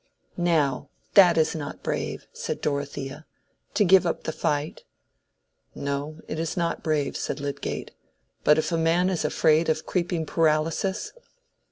"Now that is not brave," said Dorothea,—"to give up the fight." "No, it is not brave," said Lydgate, "but if a man is afraid of creeping paralysis?"